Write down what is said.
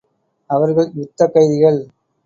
அவர்கள் யுத்தக் கைதிகள்.